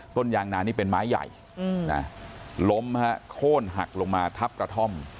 ต้นยางนานี่เป็นไม้ใหญ่ล้มฮะโค้นหักลงมาทับกระท่อม